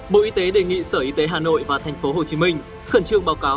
bộ y tế đề nghị sở y tế hà nội và thành phố hồ chí minh khẩn trương báo cáo